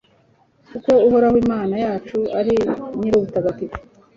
kuko Uhoraho Imana yacu ari Nyir’ubutagatifu